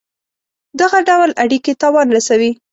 دغه ډول اړېکي تاوان رسوي.